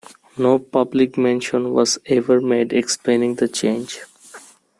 No public mention was ever made explaining the change.